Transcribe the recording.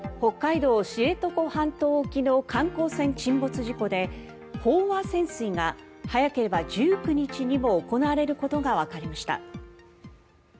北海道・知床半島沖の観光船沈没事故で飽和潜水が早ければ１９日にも行われることがわかりました。